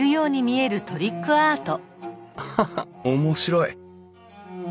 アハハッ面白い。